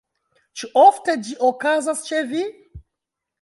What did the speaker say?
Ĉu ofte ĝi okazas ĉe vi?